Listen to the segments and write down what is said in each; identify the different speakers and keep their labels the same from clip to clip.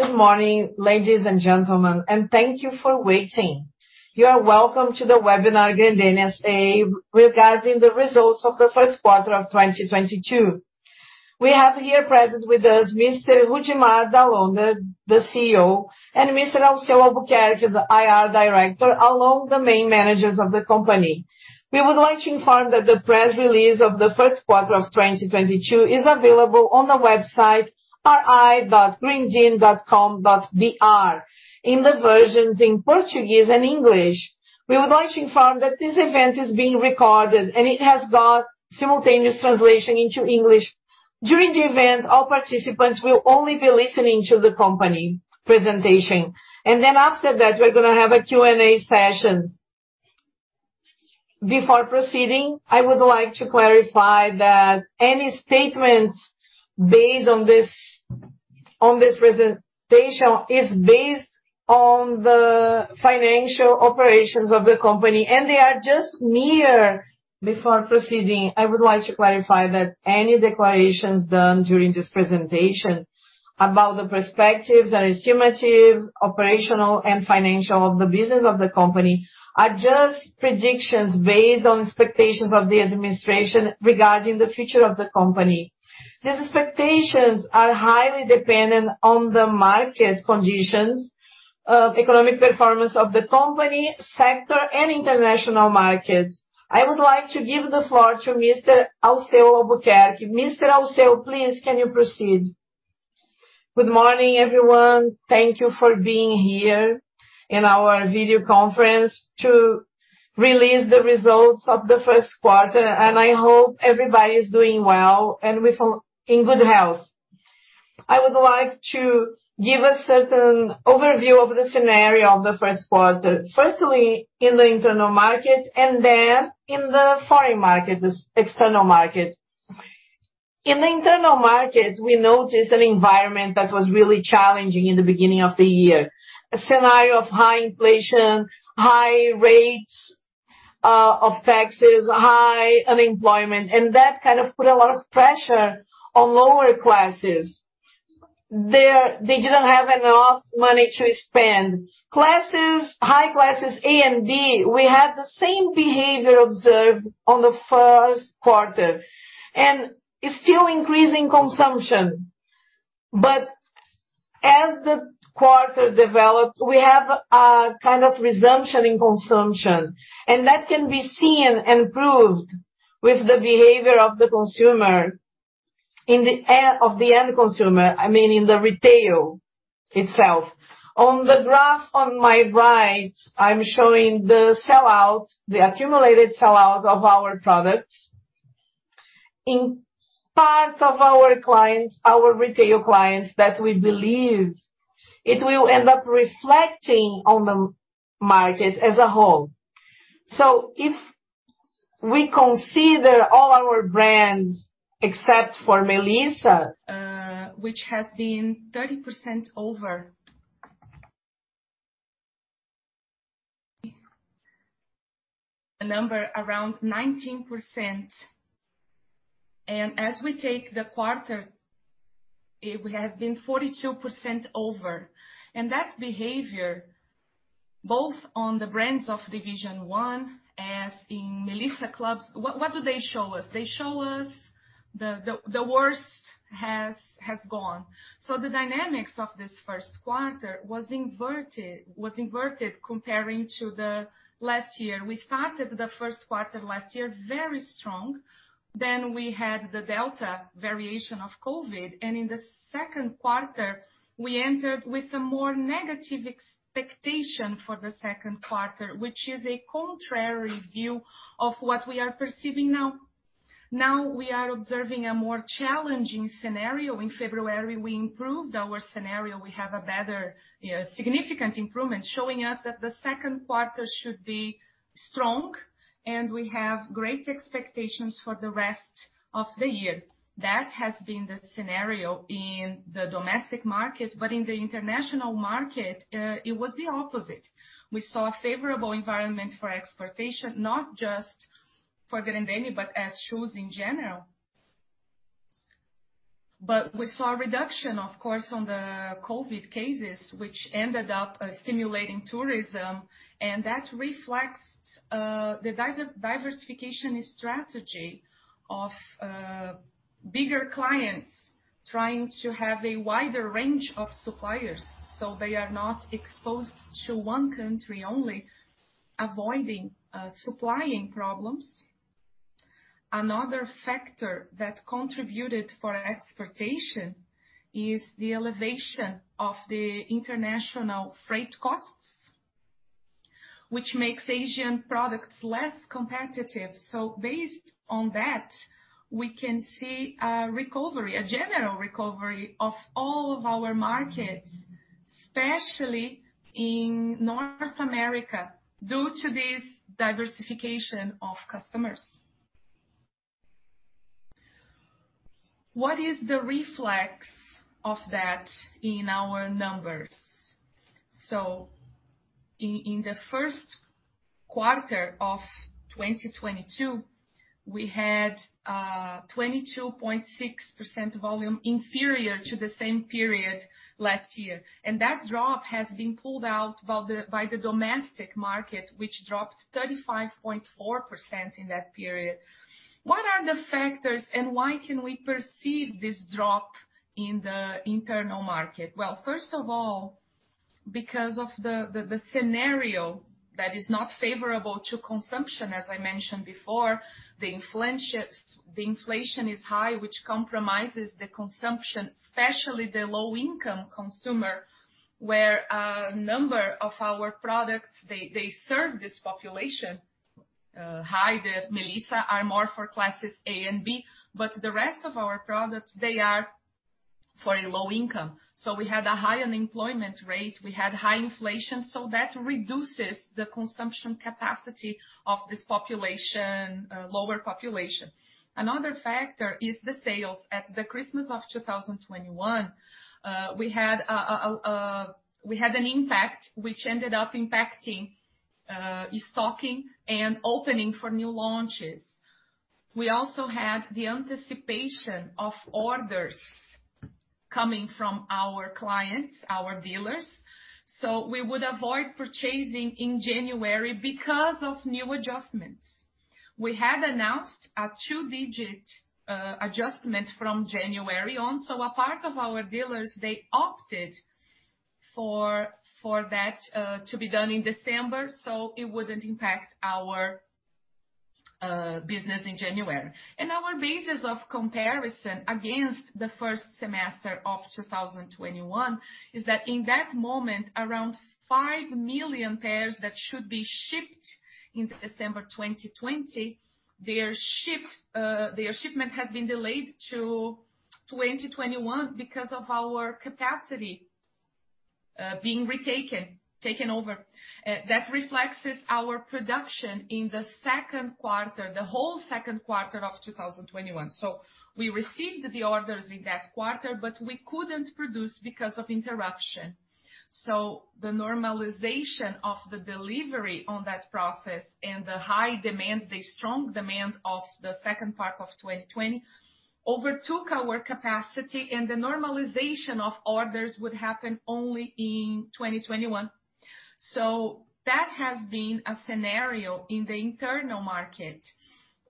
Speaker 1: Good morning, ladies and gentlemen, and thank you for waiting. You are welcome to the webinar Grendene S.A. regarding the results of the first quarter of 2022. We have here present with us Mr. Rudimar Dall'Onder, the CEO, and Mr. Alceu Albuquerque, the IR director, along the main managers of the company. We would like to inform that the press release of the first quarter of 2022 is available on the website ri.grendene.com.br in the versions in Portuguese and English. We would like to inform that this event is being recorded, and it has got simultaneous translation into English. During the event, all participants will only be listening to the company presentation, and then after that, we're gonna have a Q&A session. Before proceeding, I would like to clarify that any declarations done during this presentation about the perspectives and estimates, operational and financial of the business of the company are just predictions based on expectations of the administration regarding the future of the company. These expectations are highly dependent on the market conditions of economic performance of the company, sector, and international markets. I would like to give the floor to Mr. Alceu Albuquerque. Mr. Alceu, please, can you proceed?
Speaker 2: Good morning, everyone. Thank you for being here in our video conference to release the results of the first quarter. I hope everybody is doing well and in good health. I would like to give a certain overview of the scenario of the first quarter, firstly in the internal market and then in the foreign market, the external market. In the internal market, we noticed an environment that was really challenging in the beginning of the year. A scenario of high inflation, high rates of taxes, high unemployment, and that kind of put a lot of pressure on lower classes. They didn't have enough money to spend. High classes A and B, we had the same behaviour observed in the first quarter. It's still increasing consumption. As the quarter developed, we have a kind of resumption in consumption, and that can be seen and proved with the behaviour of the consumer in the area of the end consumer, I mean, in the retail itself. On the graph on my right, I'm showing the sellout, the accumulated sellout of our products in part of our clients, our retail clients, that we believe it will end up reflecting on the market as a whole. If we consider all our brands, except for Melissa, which has been 30% over a number around 19%. As we take the quarter, it has been 42% over. That behaviour, both on the brands of division one as in Melissa clubs, what do they show us? They show us the worst has gone. The dynamics of this first quarter was inverted comparing to the last year. We started the first quarter last year very strong. We had the Delta variant of COVID, and in the second quarter, we entered with a more negative expectation for the second quarter, which is a contrary view of what we are perceiving now. Now we are observing a more challenging scenario. In February, we improved our scenario. We have a better, you know, significant improvement showing us that the second quarter should be strong, and we have great expectations for the rest of the year. That has been the scenario in the domestic market. In the international market, it was the opposite. We saw a favourable environment for exportation, not just for Grendene, but as shoes in general. We saw a reduction, of course, in the COVID cases, which ended up stimulating tourism. That reflects the diversification strategy of bigger clients trying to have a wider range of suppliers, so they are not exposed to one country only, avoiding supplying problems. Another factor that contributed to exportation is the elevation of the international freight costs, which makes Asian products less competitive. Based on that, we can see a recovery, a general recovery of all of our markets, especially in North America, due to this diversification of customers. What is the reflection of that in our numbers? In the first quarter of 2022, we had 22.6% volume inferior to the same period last year. That drop has been pulled out by the domestic market, which dropped 35.4% in that period. What are the factors and why can we perceive this drop in the internal market? Well, first of all, because of the scenario that is not favorable to consumption, as I mentioned before. The inflation is high, which compromises the consumption, especially the low-income consumer, where a number of our products they serve this population. The Melissa are more for Classes A and B, but the rest of our products, they are for a low income. We had a high unemployment rate, we had high inflation, so that reduces the consumption capacity of this population, lower population. Another factor is the sales. At the Christmas of 2021, we had an impact which ended up impacting stocking and opening for new launches. We also had the anticipation of orders coming from our clients, our dealers. We would avoid purchasing in January because of new adjustments. We had announced a two-digit adjustment from January on, so a part of our dealers, they opted for that to be done in December, so it wouldn't impact our business in January. Our basis of comparison against the first semester of 2021 is that in that moment, around 5 million pairs that should be shipped in December 2020, their shipment has been delayed to 2021 because of our capacity being taken over. That reflects our production in the second quarter, the whole second quarter of 2021. We received the orders in that quarter, but we couldn't produce because of interruption. The normalization of the delivery on that process and the high demand, the strong demand of the second part of 2020 overtook our capacity, and the normalization of orders would happen only in 2021. That has been a scenario in the internal market.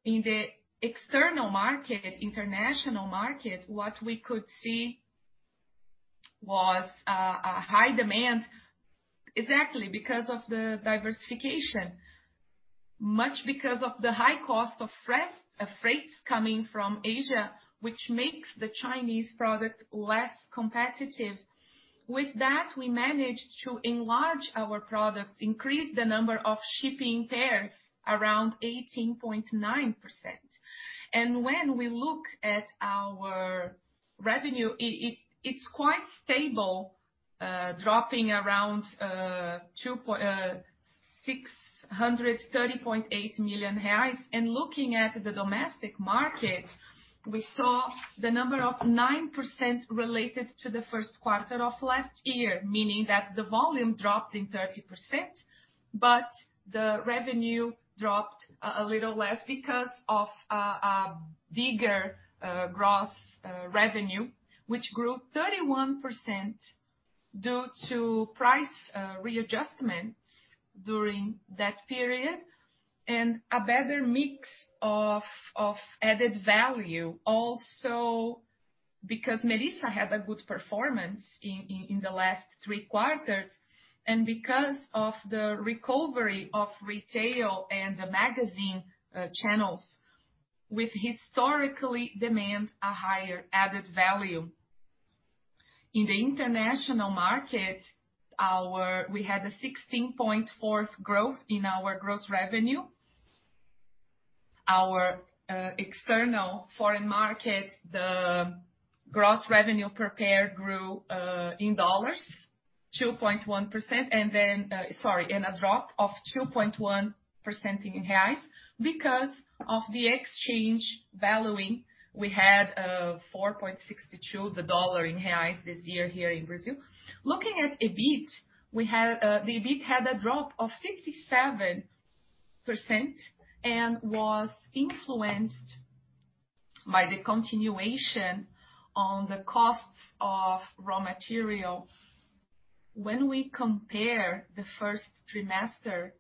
Speaker 2: In the external market, international market, what we could see was a high demand exactly because of the diversification. Much because of the high cost of freights coming from Asia, which makes the Chinese product less competitive. With that, we managed to enlarge our products, increase the number of shipping pairs around 18.9%. When we look at our revenue, it's quite stable, dropping around 630.8 million reais. Looking at the domestic market, we saw the number of 9% related to the first quarter of last year, meaning that the volume dropped in 30%, but the revenue dropped a little less because of a bigger gross revenue, which grew 31% due to price readjustments during that period and a better mix of added value. Because Melissa had a good performance in the last three quarters, and because of the recovery of retail and the magazine channels, with historically demand a higher added value. In the international market, we had a 16.4% growth in our gross revenue. Our external foreign market, the gross revenue per pair grew in dollars 2.1%, and a drop of 2.1% in reais because of the exchange variation. We had 4.62 the dollar in reais this year here in Brazil. Looking at EBIT, the EBIT had a drop of 57% and was influenced by the continuation of the costs of raw material. When we compare the first quarter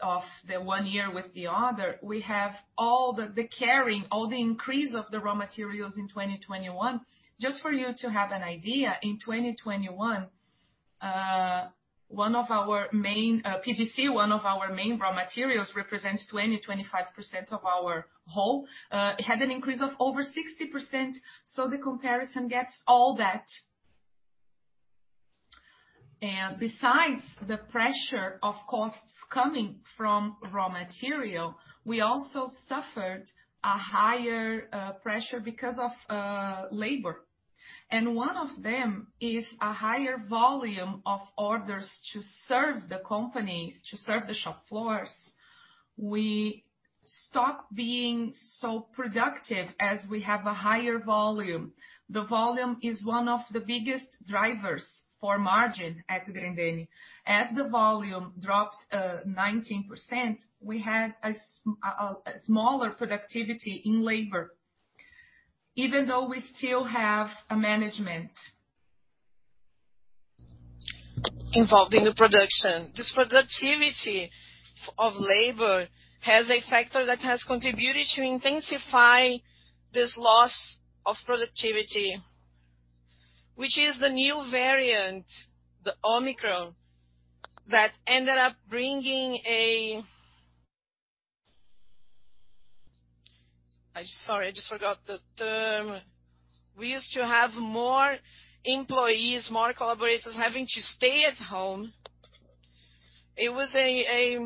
Speaker 2: of one year with the other, we have all the carryover, all the increase of the raw materials in 2021. Just for you to have an idea, in 2021, one of our main raw materials, PVC, represents 25% of our whole, it had an increase of over 60%. The comparison gets all that. Besides the pressure of costs coming from raw material, we also suffered a higher pressure because of labor. One of them is a higher volume of orders to serve the companies, to serve the shop floors. We stop being so productive as we have a higher volume. The volume is one of the biggest drivers for margin at Grendene. As the volume dropped 19%, we had a smaller productivity in labor, even though we still have a management involved in the production. This productivity of labor has a factor that has contributed to intensify this loss of productivity, which is the new variant, the Omicron, that ended up bringing a labor absence, work leave, and that ends up affecting productivity of our labor. Sorry, I just forgot the term. We used to have more employees, more collaborators having to stay at home. It was a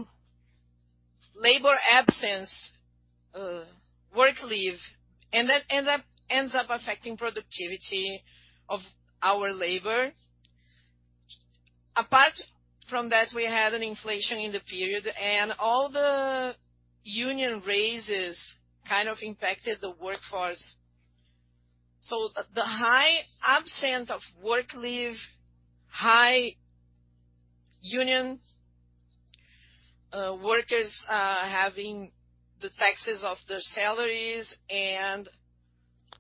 Speaker 2: labor absence, work leave, and that ends up affecting productivity of our labor. Apart from that, we had an inflation in the period, and all the union raises kind of impacted the workforce. The high absenteeism, work leave, high union dues, workers having the taxes on their salaries and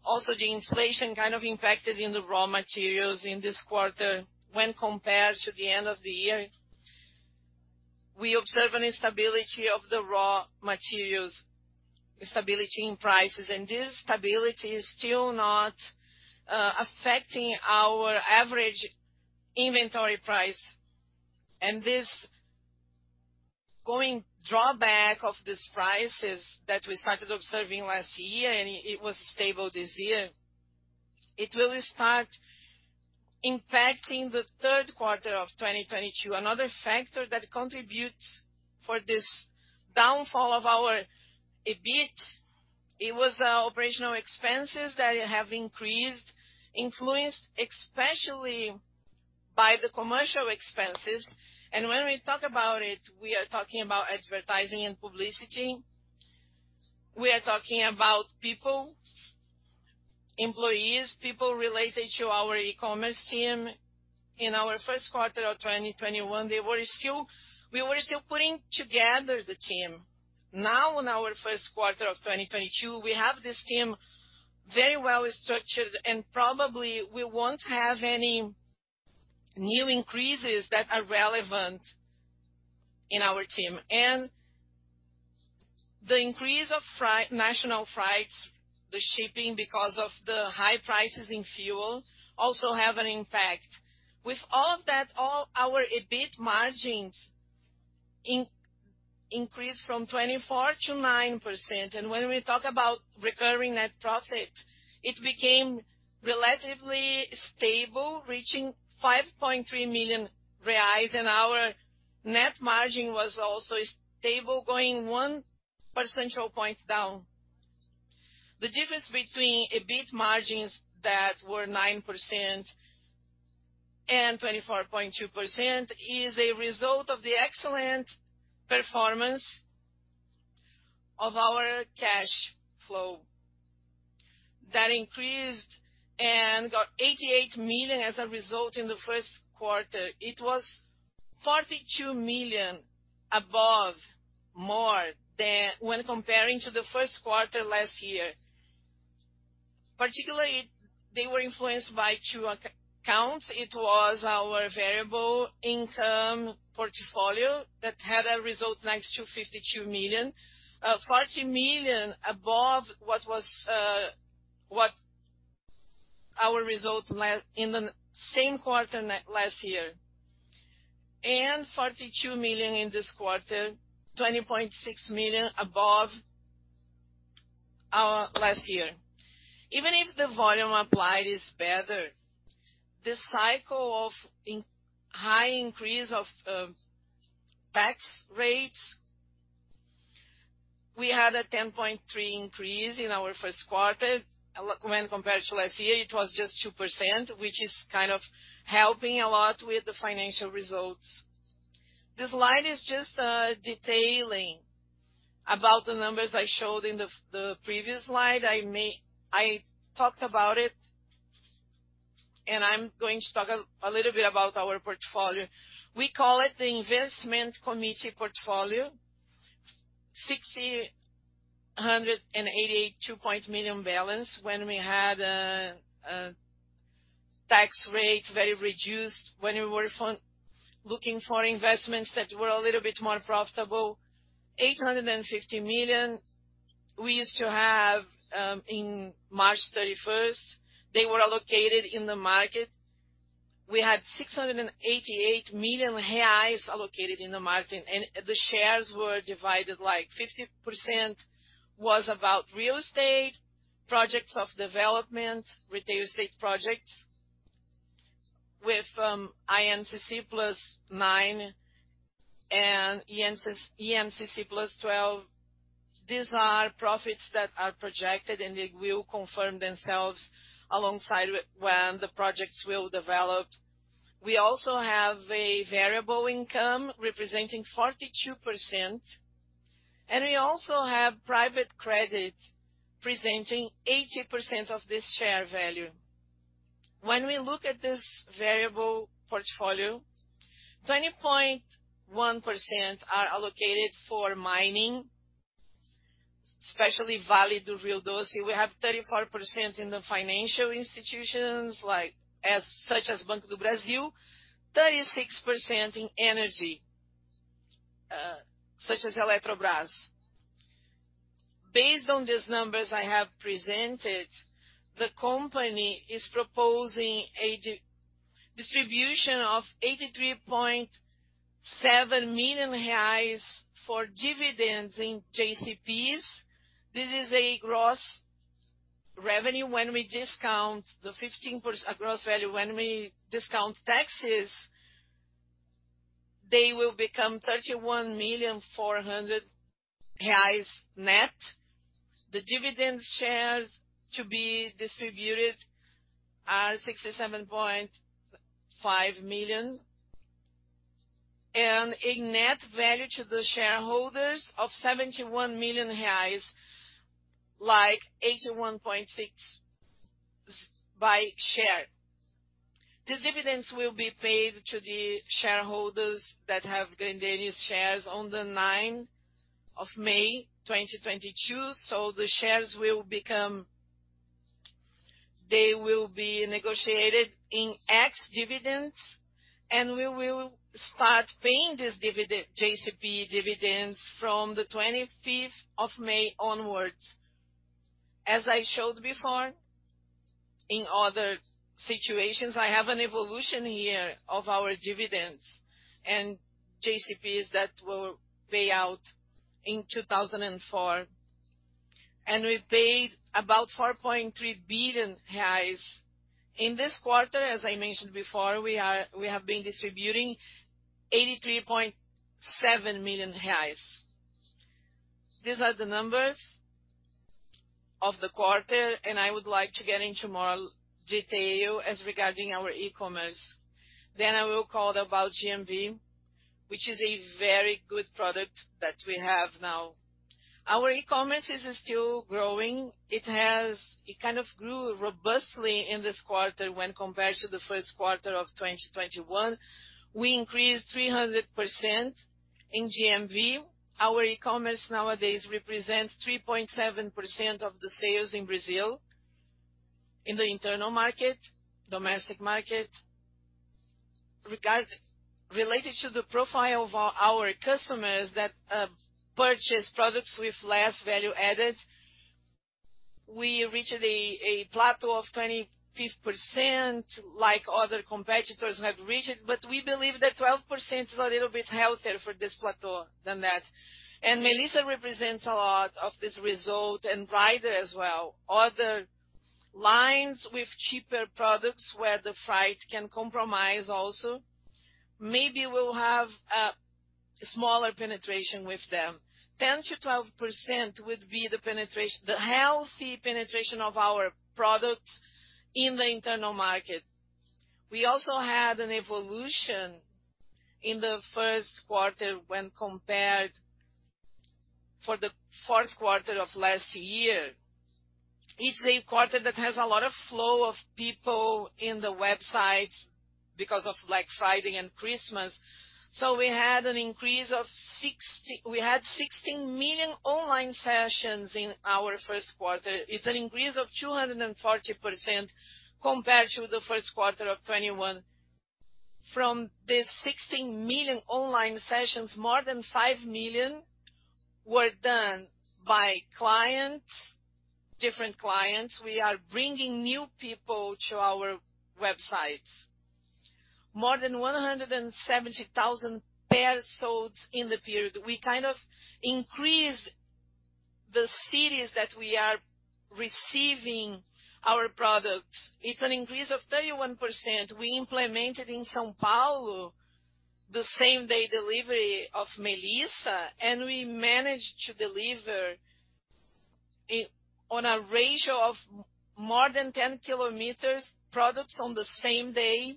Speaker 2: also the inflation kind of impacted the raw materials in this quarter when compared to the end of the year. We observe an instability of the raw materials, instability in prices, and this instability is still not affecting our average inventory price. This ongoing drawback of these prices that we started observing last year, and it was stable this year, will start impacting the third quarter of 2022. Another factor that contributes to this downfall of our EBIT was our operational expenses that have increased, influenced especially by the commercial expenses. When we talk about it, we are talking about advertising and publicity. We are talking about people, employees, people related to our e-commerce team. In our first quarter of 2021, we were still putting together the team. Now, in our first quarter of 2022, we have this team very well structured, and probably we won't have any new increases that are relevant in our team. The increase of national freights, the shipping because of the high prices in fuel also have an impact. With all of that, all our EBIT margins increased from 9% to 24%. When we talk about recurring net profit, it became relatively stable, reaching 5.3 million reais, and our net margin was also stable, going one percentage point down. The difference between EBIT margins that were 9% and 24.2% is a result of the excellent performance of our cash flow that increased and got 88 million as a result in the first quarter. It was 42 million above more than when comparing to the first quarter last year. Particularly, they were influenced by two accounts. It was our variable income portfolio that had a result next to 52 million, 40 million above what our result in the same quarter last year, and 42 million in this quarter, 20.6 million above our last year. Even if the volume applied is better, this cycle of high increase of tax rates, we had a 10.3% increase in our first quarter. When compared to last year, it was just 2%, which is kind of helping a lot with the financial results. This slide is just detailing about the numbers I showed in the previous slide. I talked about it, and I'm going to talk a little bit about our portfolio. We call it the investment committee portfolio. 682 million balance when we had a tax rate very reduced when we were looking for investments that were a little bit more profitable. 850 million we used to have in March 31. They were allocated in the market. We had 688 million reais allocated in the market, and the shares were divided, like, 50% was about real estate, projects of development, real estate projects with IPCA+9 and IPCA+12. These are profits that are projected, and they will confirm themselves alongside when the projects will develop. We also have a variable income representing 42%, and we also have private credit presenting 80% of this share value. When we look at this variable portfolio, 20.1% are allocated for mining, especially Vale do Rio Doce. We have 34% in the financial institutions such as Banco do Brasil, 36% in energy, such as Eletrobras. Based on these numbers I have presented, the company is proposing a distribution of 83.7 million reais for dividends in JCP. This is a gross value when we discount the 15% taxes, they will become 31.4 million net. The dividend shares to be distributed are 67.5 million. A net value to the shareholders of 71 million reais, like 81.6 per share. These dividends will be paid to the shareholders that have Grendene's shares on the 9th of May, 2022. The shares will be negotiated ex dividends, and we will start paying JCP dividends from the 25th of May onwards. As I showed before, in other situations, I have an evolution here of our dividends and JCP that will pay out in 2004. We paid about 4.3 billion reais. In this quarter, as I mentioned before, we have been distributing 83.7 million reais. These are the numbers of the quarter, and I would like to get into more detail regarding our e-commerce. I will call about GMV, which is a very good product that we have now. Our e-commerce is still growing. It kind of grew robustly in this quarter when compared to the first quarter of 2021. We increased 300% in GMV. Our e-commerce nowadays represents 3.7% of the sales in Brazil, in the internal market, domestic market. Related to the profile of our customers that purchase products with less value added, we reached a plateau of 25% like other competitors have reached. We believe that 12% is a little bit healthier for this plateau than that. Melissa represents a lot of this result, and Rider as well. Other lines with cheaper products where the freight can compromise also, maybe we'll have a smaller penetration with them. 10%-12% would be the healthy penetration of our products in the internal market. We also had an evolution in the first quarter when compared to the fourth quarter of last year. It's a quarter that has a lot of flow of people in the website because of Black Friday and Christmas. We had 16 million online sessions in our first quarter. It's an increase of 240% compared to the first quarter of 2021. From these 16 million online sessions, more than 5 million were done by different clients. We are bringing new people to our websites. More than 170,000 pairs sold in the period. We kind of increased the cities that we are reaching with our products. It's an increase of 31%. We implemented in São Paulo the same-day delivery of Melissa, and we managed to deliver on a radius of more than 10 km products on the same day.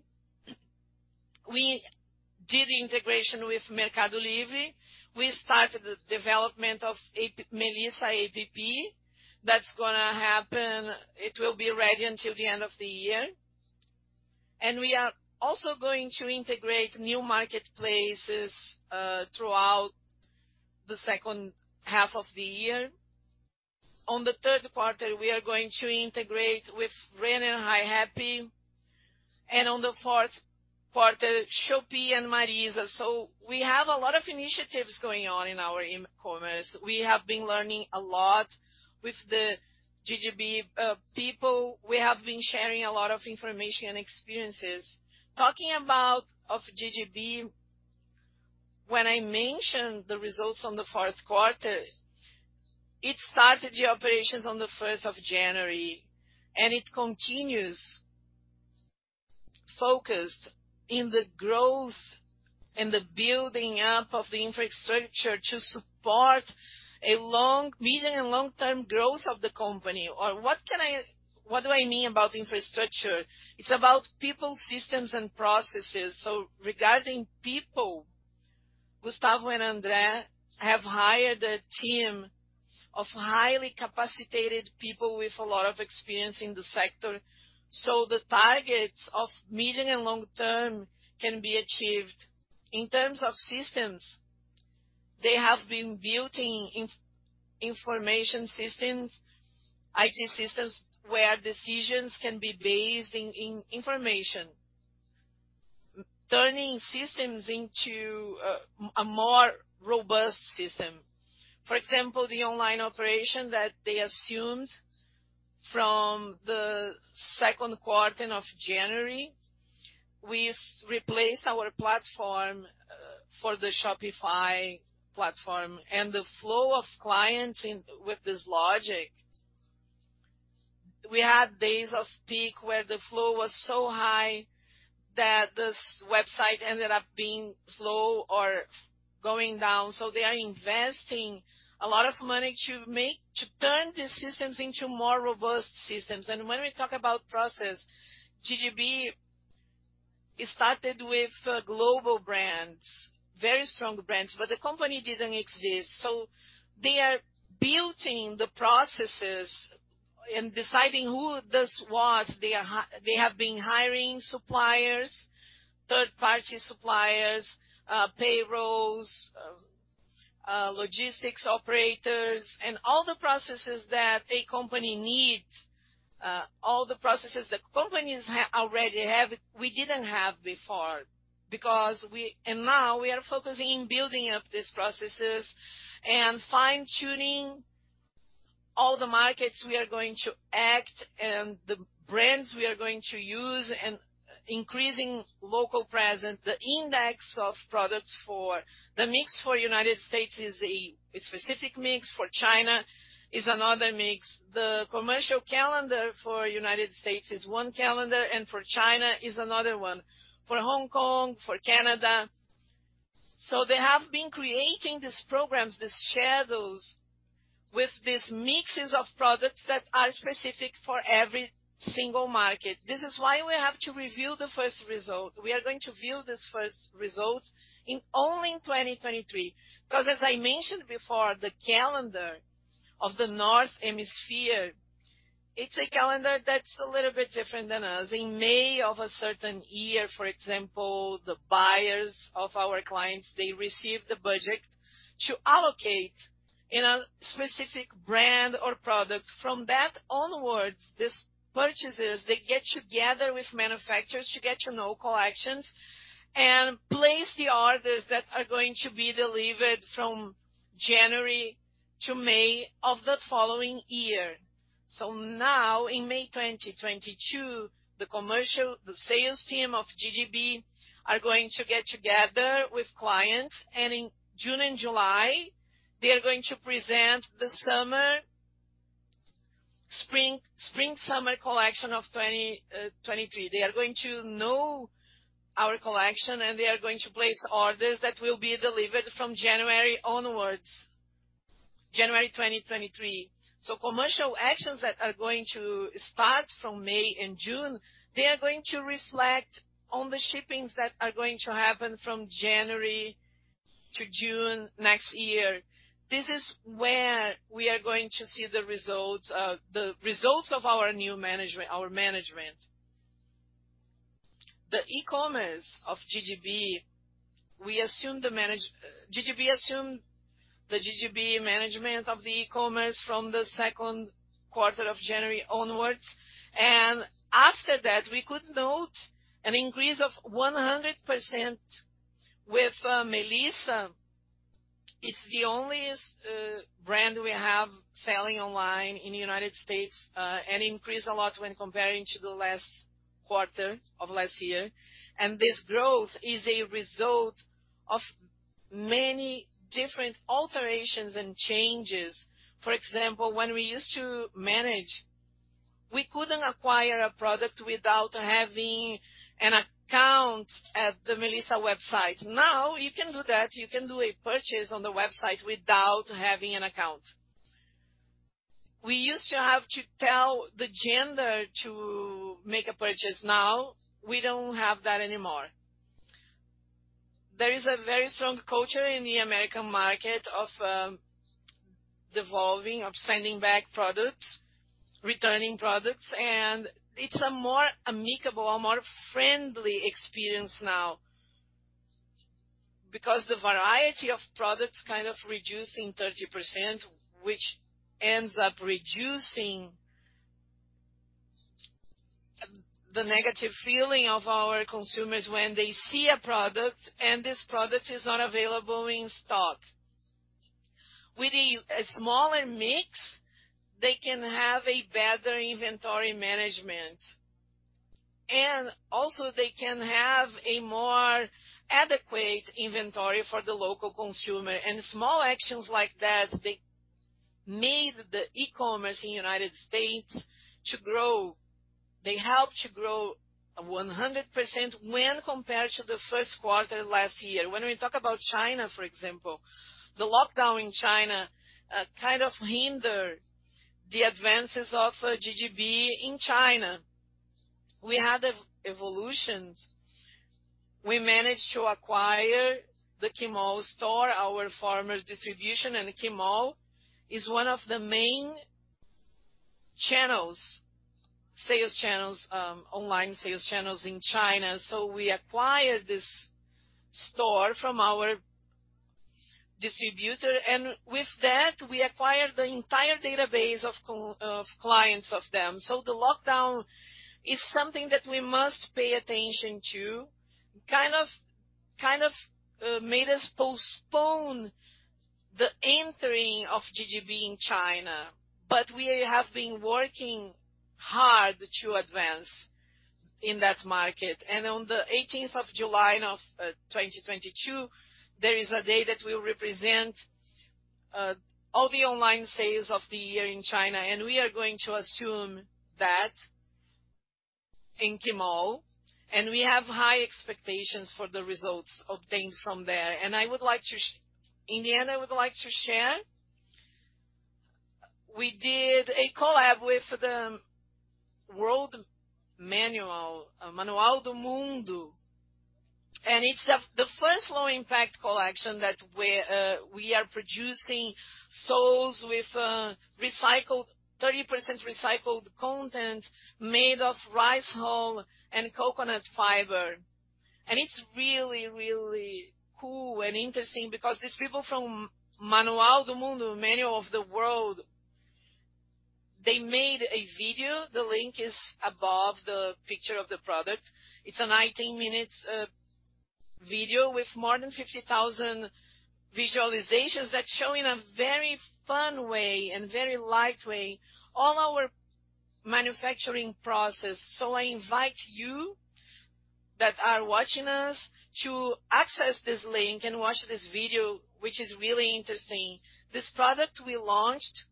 Speaker 2: We did integration with Mercado Livre. We started the development of Melissa APP. That's gonna happen. It will be ready until the end of the year. We are also going to integrate new marketplaces throughout the second half of the year. On the third quarter, we are going to integrate with Renner and Ri Happy, and on the fourth quarter, Shopee and Marisa. We have a lot of initiatives going on in our e-commerce. We have been learning a lot with the GGB people. We have been sharing a lot of information and experiences. GGB, when I mentioned the results on the fourth quarter, it started the operations on the first of January, and it continues focused on the growth and the building up of the infrastructure to support a medium and long-term growth of the company. What do I mean about infrastructure? It's about people, systems, and processes. Regarding people, Gustavo and Andre have hired a team of highly capacitated people with a lot of experience in the sector, so the targets of medium and long term can be achieved. In terms of systems, they have been building information systems, IT systems, where decisions can be based on information. Turning systems into a more robust system. For example, the online operation that they assumed from the second quarter of January, we replaced our platform for the Shopify platform and the flow of clients with this logic. We had days of peak where the flow was so high that this website ended up being slow or going down. They are investing a lot of money to turn these systems into more robust systems. When we talk about process, GGB started with global brands, very strong brands, but the company didn't exist. They are building the processes and deciding who does what. They have been hiring suppliers, third-party suppliers, payrolls, logistics operators, and all the processes that a company needs, all the processes that companies already have, we didn't have before. Now we are focusing on building up these processes and fine-tuning all the markets we are going to act, and the brands we are going to use, and increasing local presence. The mix for United States is a specific mix. For China, is another mix. The commercial calendar for United States is one calendar, and for China is another one. For Hong Kong, for Canada. They have been creating these programs, these schedules, with these mixes of products that are specific for every single market. This is why we have to review the first result. We are going to review this first result only in 2023. As I mentioned before, the calendar of the Northern Hemisphere is a calendar that's a little bit different than us. In May of a certain year, for example, the buyers of our clients, they receive the budget to allocate in a specific brand or product. From that onwards, these purchasers, they get together with manufacturers to get to know collections and place the orders that are going to be delivered from January to May of the following year. Now in May 2022, the commercial, the sales team of GGB are going to get together with clients, and in June and July, they are going to present the summer, spring-summer collection of 2023. They are going to know our collection, and they are going to place orders that will be delivered from January 2023 onwards. Commercial actions that are going to start from May and June, they are going to reflect on the shipments that are going to happen from January to June next year. This is where we are going to see the results of our new management. The e-commerce of GGB assumed the management of the e-commerce from the second quarter of January onwards. After that, we could note an increase of 100% with Melissa. It's the only brand we have selling online in the United States, and increased a lot when comparing to the last quarter of last year. This growth is a result of many different alterations and changes. For example, when we used to manage, we couldn't acquire a product without having an account at the Melissa website. Now you can do that. You can do a purchase on the website without having an account. We used to have to tell the gender to make a purchase. Now we don't have that anymore. There is a very strong culture in the American market of devolving, of sending back products, returning products, and it's a more amicable, a more friendly experience now. Because the variety of products kind of reducing 30%, which ends up reducing the negative feeling of our consumers when they see a product and this product is not available in stock. With a smaller mix, they can have a better inventory management. Also they can have a more adequate inventory for the local consumer. Small actions like that made the e-commerce in United States to grow. They helped to grow 100% when compared to the first quarter last year. When we talk about China, for example, the lockdown in China kind of hindered the advances of GGB in China. We had evolutions. We managed to acquire the Tmall store, our former distributor, and Tmall is one of the main channels, sales channels, online sales channels in China. We acquired this store from our distributor, and with that, we acquired the entire database of clients of them. The lockdown is something that we must pay attention to. Kind of made us postpone the entering of GGB in China. We have been working hard to advance in that market. On the 18th of July of 2022, there is a day that will represent all the online sales of the year in China, and we are going to assume that in Tmall, and we have high expectations for the results obtained from there. I would like to, in the end, I would like to share, we did a collab with Manual do Mundo. It's the first low impact collection that we are producing soles with recycled 30% recycled content made of rice hull and coconut fiber. It's really, really cool and interesting because these people from Manual do Mundo, Manual of the World, they made a video. The link is above the picture of the product. It's a 19-minute video with more than 50,000 visualizations that show in a very fun way and very light way all our manufacturing process. I invite you that are watching us to access this link and watch this video, which is really interesting. This product we launched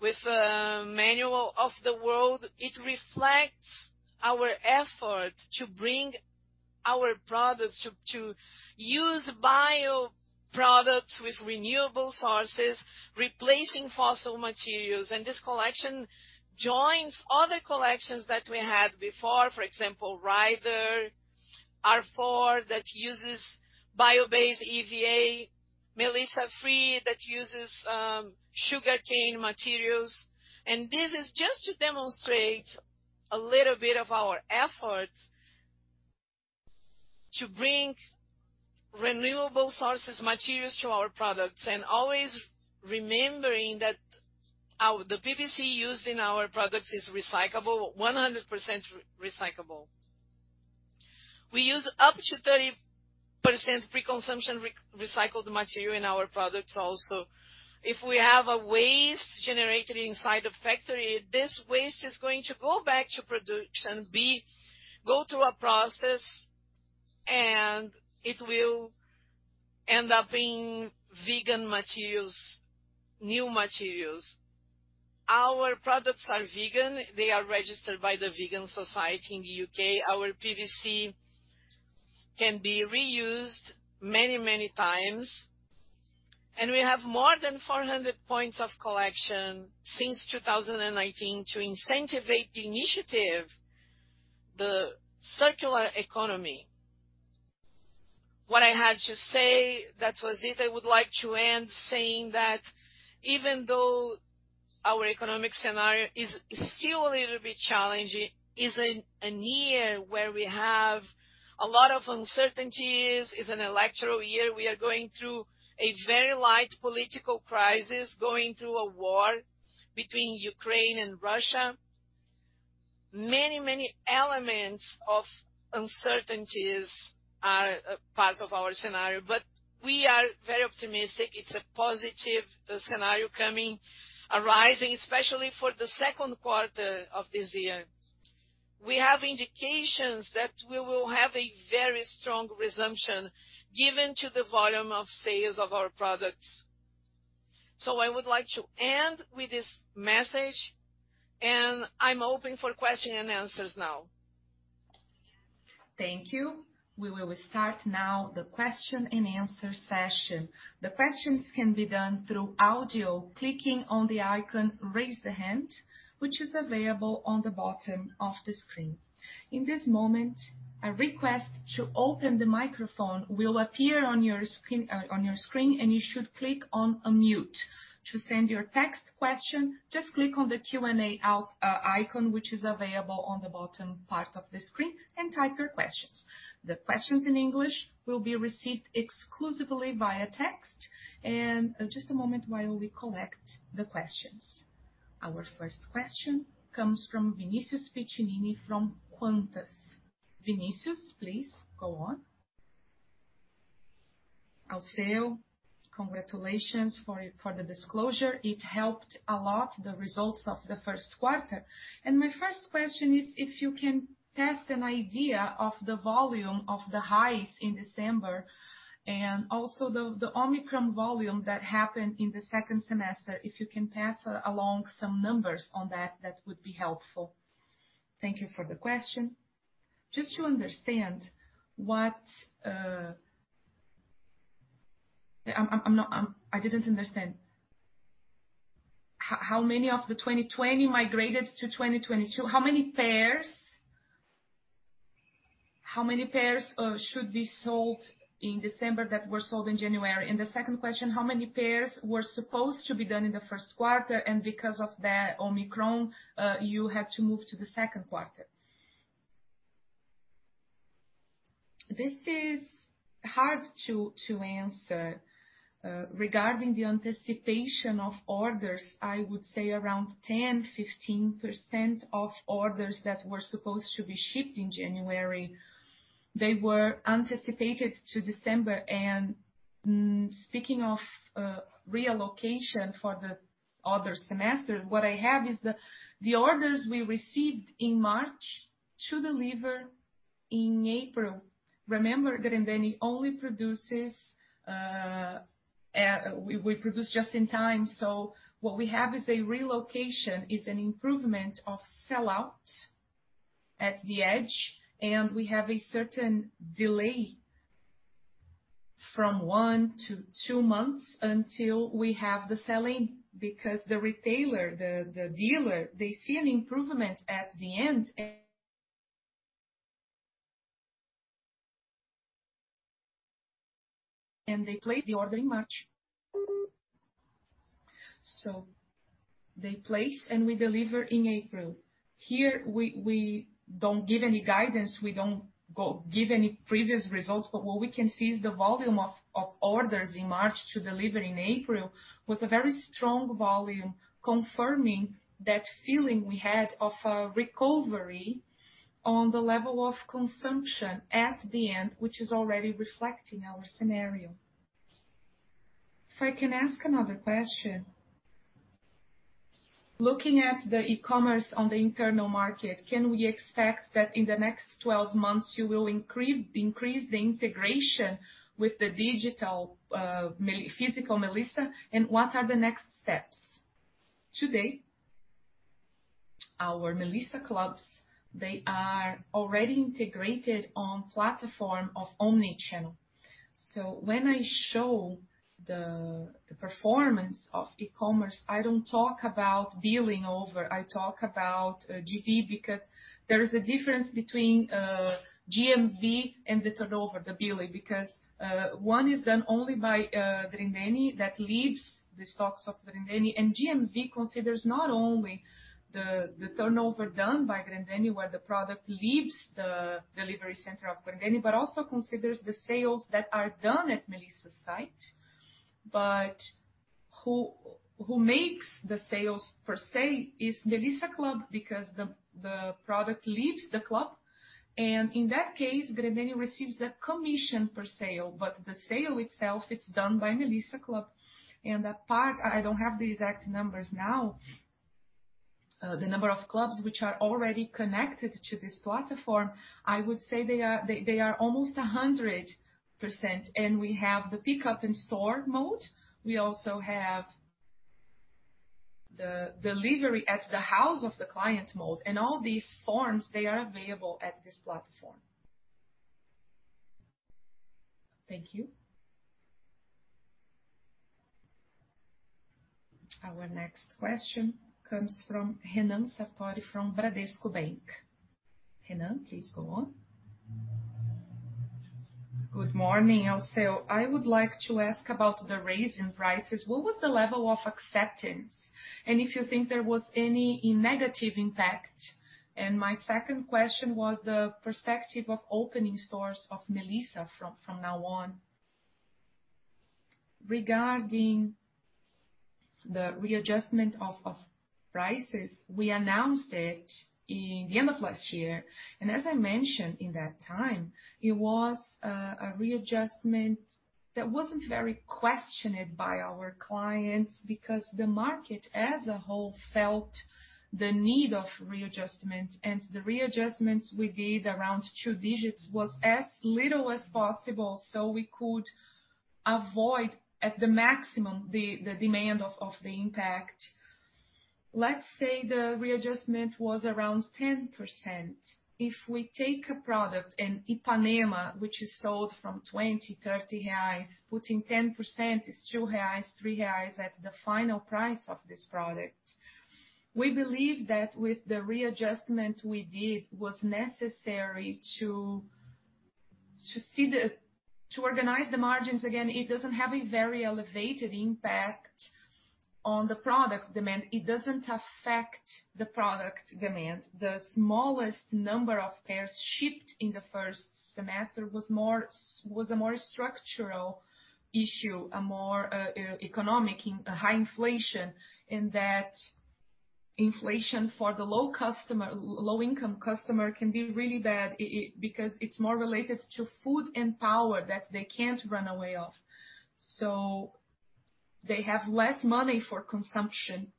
Speaker 2: with Manual do Mundo, it reflects our effort to bring our products to use bioproducts with renewable sources, replacing fossil materials. This collection joins other collections that we had before. For example, Rider R4 that uses bio-based EVA, Melissa Free that uses sugarcane materials. This is just to demonstrate a little bit of our efforts to bring renewable sources materials to our products. Always remembering that our the PVC used in our products is recyclable, 100% recyclable. We use up to 30% pre-consumption recycled material in our products also. If we have a waste generated inside the factory, this waste is going to go back to production, go through a process, and it will end up being vegan materials, new materials. Our products are vegan. They are registered by the Vegan Society in the U.K. Our PVC can be reused many, many times. We have more than 400 points of collection since 2019 to incentivize the initiative, the circular economy. What I had to say, that was it. I would like to end saying that even though our economic scenario is still a little bit challenging, is a year where we have a lot of uncertainties, is an electoral year. We are going through a very light political crisis, going through a war between Ukraine and Russia. Many, many elements of uncertainties are part of our scenario, but we are very optimistic. It's a positive scenario coming, arising, especially for the second quarter of this year. We have indications that we will have a very strong resumption given to the volume of sales of our products. I would like to end with this message, and I'm open for question-and-answers now.
Speaker 1: Thank you. We will start now the question-and-answer session. The questions can be done through audio, clicking on the icon Raise the Hand, which is available on the bottom of the screen. In this moment, a request to open the microphone will appear on your screen, and you should click on Unmute. To send your text question, just click on the Q&A icon, which is available on the bottom part of the screen, and type your questions. The questions in English will be received exclusively via text. Just a moment while we collect the questions. Our first question comes from Vinicius Piccinini from Quantitas. Vinicius, please go on.
Speaker 3: Alceu, congratulations for the disclosure. It helped a lot the results of the first quarter. My first question is if you can give an idea of the volume of the holidays in December and also the Omicron volume that happened in the second semester. If you can pass along some numbers on that would be helpful.
Speaker 2: Thank you for the question. Just to understand what. I didn't understand.
Speaker 3: How many of the 2021 migrated to 2022? How many pairs should be sold in December that were sold in January? The second question, how many pairs were supposed to be done in the first quarter, and because of the Omicron, you had to move to the second quarter?
Speaker 2: This is hard to answer. Regarding the anticipation of orders, I would say around 10%-15% of orders that were supposed to be shipped in January, they were anticipated to December. Speaking of reallocation for the other semester, what I have is the orders we received in March to deliver in April. Remember, Grendene only produces. We produce just in time. What we have is a reallocation, is an improvement of sell-out at the end, and we have a certain delay from one-two months until we have the sell-in, because the retailer, the dealer, they see an improvement at the end, and they place the order in March. They place and we deliver in April. Here we don't give any guidance, we don't give any previous results, but what we can see is the volume of orders in March to deliver in April was a very strong volume, confirming that feeling we had of a recovery on the level of consumption at the end, which is already reflecting our scenario.
Speaker 3: If I can ask another question. Looking at the e-commerce on the internal market, can we expect that in the next 12 months you will increase the integration with the digital physical Melissa? What are the next steps?
Speaker 2: Today, our Melissa clubs, they are already integrated on platform of omni-channel. When I show the performance of e-commerce, I don't talk about billing only. I talk about GP, because there is a difference between GMV and the turnover, the billing. Because one is done only by Grendene that leaves the stocks of Grendene. GMV considers not only the turnover done by Grendene, where the product leaves the delivery center of Grendene, but also considers the sales that are done at Melissa's site. Who makes the sales per se is Clube Melissa, because the product leaves the club. In that case, Grendene receives the commission per sale. The sale itself, it's done by Clube Melissa. That part, I don't have the exact numbers now. The number of clubs which are already connected to this platform, I would say they are almost 100%. We have the pickup in-store mode. We also have the delivery at the house of the client mode. All these forms, they are available at this platform. Thank you.
Speaker 1: Our next question comes from Renan Sartori from Bradesco BBI. Renan, please go on.
Speaker 4: Good morning, Alceu. I would like to ask about the raise in prices. What was the level of acceptance? If you think there was any negative impact. My second question was the perspective of opening stores of Melissa from now on.
Speaker 2: Regarding the readjustment of prices, we announced it in the end of last year. As I mentioned at that time, it was a readjustment that wasn't very questioned by our clients because the market as a whole felt the need for readjustment. The readjustments we did around two digits was as little as possible, so we could avoid, at the maximum, the impact on the demand. Let's say the readjustment was around 10%. If we take a product in Ipanema, which is sold from 20-30 reais, putting 10% is 2 reais, 3 reais at the final price of this product. We believe that with the readjustment we did was necessary to organize the margins. Again, it doesn't have a very elevated impact on the product demand. It doesn't affect the product demand. The smallest number of pairs shipped in the first semester was a more structural issue, a more economic issue, a high inflation. In that inflation for the low-income customer can be really bad because it's more related to food and power that they can't run away of. They have less money for consumption.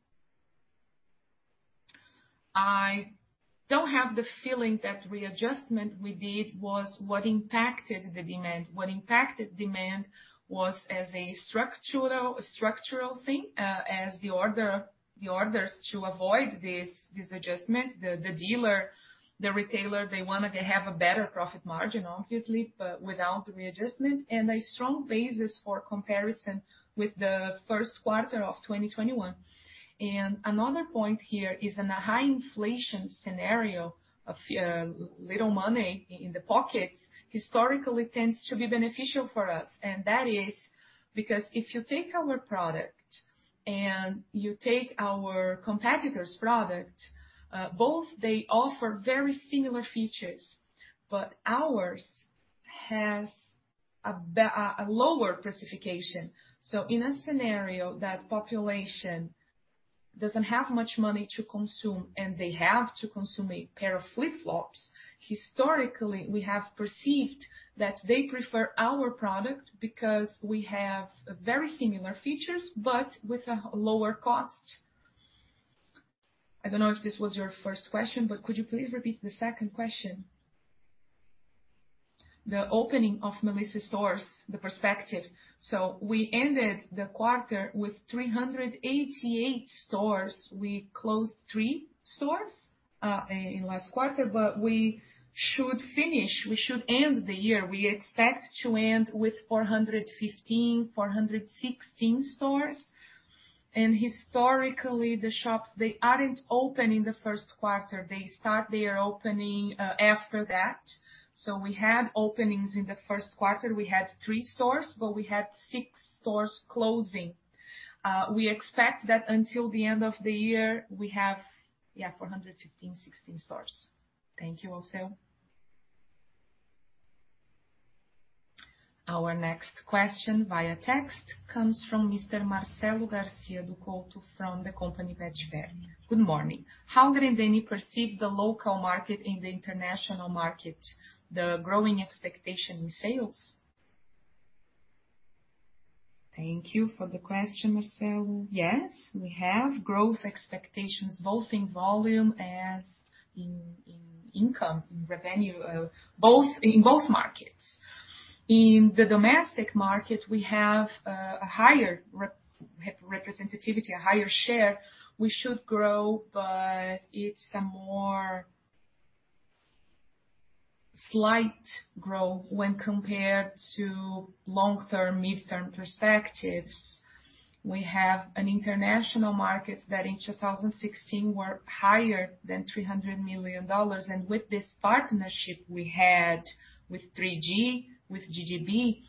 Speaker 2: I don't have the feeling that readjustment we did was what impacted the demand. What impacted demand was a structural thing, as the orders to avoid this adjustment. The dealer, the retailer, they wanted to have a better profit margin, obviously, but without the readjustment and a strong basis for comparison with the first quarter of 2021. Another point here is in a high inflation scenario of little money in the pockets, historically tends to be beneficial for us. That is because if you take our product and you take our competitor's product, both they offer very similar features, but ours has a lower classification. So, in a scenario that population doesn't have much money to consume and they have to consume a pair of flip-flops, historically, we have perceived that they prefer our product because we have very similar features but with a lower cost. I don't know if this was your first question, but could you please repeat the second question?
Speaker 4: The opening of Melissa stores, the perspective.
Speaker 2: We ended the quarter with 388 stores. We closed three stores in last quarter, but we should end the year. We expect to end with 415, 416 stores. Historically, the shops, they aren't open in the first quarter. They start their opening after that. We had openings in the first quarter. We had three stores, but we had six stores closing. We expect that until the end of the year, we have 415, 416 stores.
Speaker 4: Thank you, Alceu.
Speaker 1: Our next question via text comes from Mr. Marcelo Garcia do Couto from the company Petrobras. Good morning. How Grendene perceive the local market in the international market, the growing expectation in sales?
Speaker 2: Thank you for the question, Marcelo. Yes, we have growth expectations both in volume and in income, in revenue, in both markets. In the domestic market, we have a higher representativity, a higher share. We should grow, but it's a more slight growth when compared to long-term, midterm perspectives. We have an international market that in 2016 were higher than $300 million. With this partnership we had with 3G Radar, with GGB,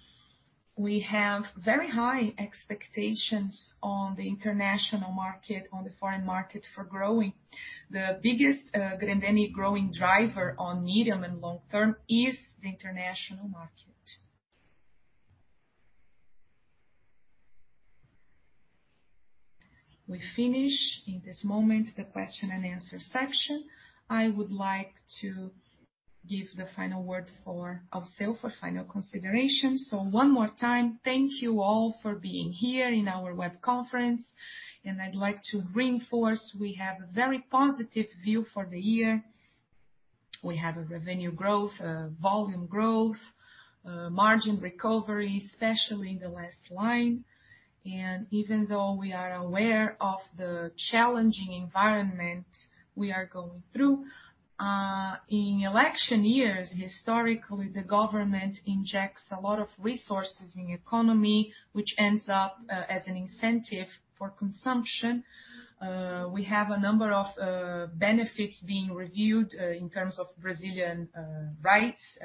Speaker 2: we have very high expectations on the international market, on the foreign market for growing. The biggest Grendene growing driver on medium and long term is the international market.
Speaker 1: We finish in this moment the question-and-answer section. I would like to give the final word for Alceu for final consideration.
Speaker 2: One more time, thank you all for being here in our web conference. I'd like to reinforce we have a very positive view for the year. We have a revenue growth, volume growth, margin recovery, especially in the last line. Even though we are aware of the challenging environment we are going through, in election years, historically, the government injects a lot of resources in the economy, which ends up, as an incentive for consumption. We have a number of benefits being reviewed, in terms of Brazilian rights.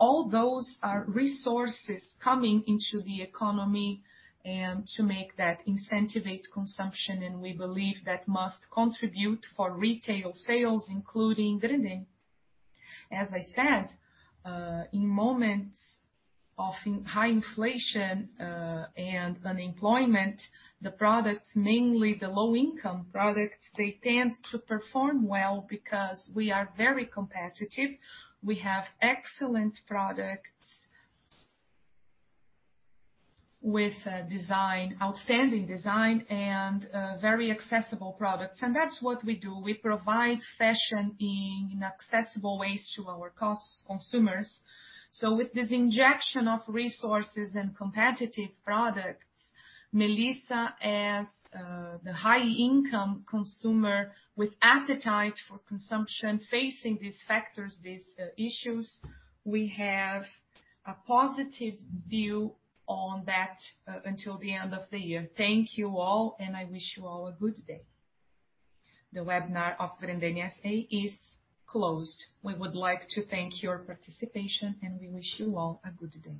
Speaker 2: All those are resources coming into the economy and to make that incentivize consumption, and we believe that must contribute for retail sales, including Grendene. As I said, in moments of high inflation and unemployment, the products, mainly the low-income products, they tend to perform well because we are very competitive. We have excellent products with outstanding design and very accessible products. That's what we do. We provide fashion in accessible ways to our consumers. With this injection of resources and competitive products, Melissa as the high-income consumer with appetite for consumption facing these factors, these issues, we have a positive view on that until the end of the year.
Speaker 1: Thank you all, and I wish you all a good day. The webinar of Grendene S.A. is closed. We would like to thank your participation, and we wish you all a good day.